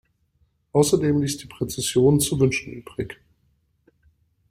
Außerdem ließ die Präzision zu wünschen übrig.